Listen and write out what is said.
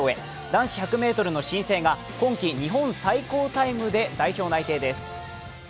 男子１００ｍの申請が今季日本最高タイムで代表内定です。